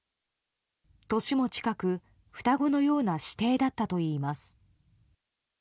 年も近く双子のような姉弟だったといいます。